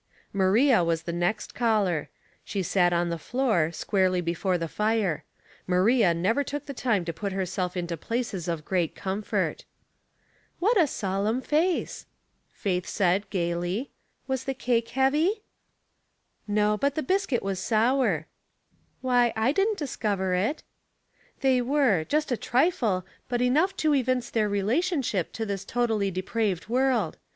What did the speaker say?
Maria was the next caller. She sat on the floor, squarely before the fire. Maria never took the time to put herself into places of great comfort. " What a solemn face I " Faith said, gayly. " Was the cake heavy ?"" No, but the biscuit was sour." " Why, I didn't discover it." " They were ; just a trifle, but enough to evi dence their relationship to this totally depraved world.